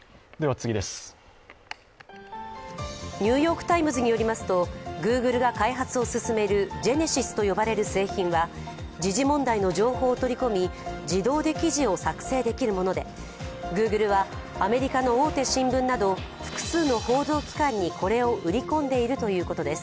「ニューヨーク・タイムズ」によりますと、Ｇｏｏｇｌｅが開発を進めるジェネシスと呼ばれる製品は時事問題の情報を取り込み自動で記事を作成出来るもので、Ｇｏｏｇｌｅはアメリカの大手新聞など複数の報道機関にこれを売り込んでいるということです。